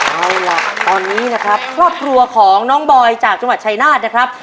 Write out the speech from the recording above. เอาล่ะตอนนี้นะครับครอบครัวของน้องบอยจากจังหวัดชายนาฏนะครับ